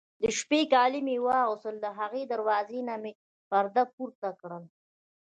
د شپې کالي مې واغوستل، له هغې دروازې نه مې پرده پورته کړل.